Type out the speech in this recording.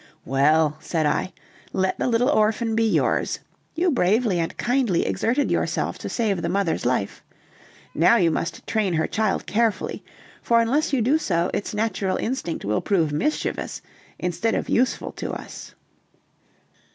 "Well," said I, "let the little orphan be yours. You bravely and kindly exerted yourself to save the mother's life; now you must train her child carefully, for unless you do so its natural instinct will prove mischievous instead of useful to us."